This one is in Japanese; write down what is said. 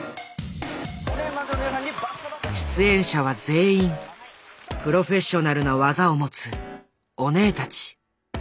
出演者は全員プロフェッショナルな技を持つオネエたち。